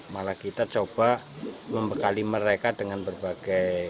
malah kita coba membekali mereka dengan berbagai